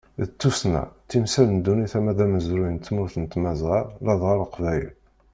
D tussna, timsal n ddunit ama d amezruy n tmurt n tmazɣa ladɣa leqbayel.